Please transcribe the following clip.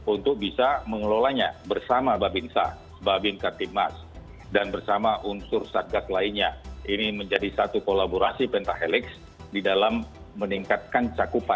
untuk bisa mengelolanya bersama babinsa babinka timas dan bersama unsur satgas lainnya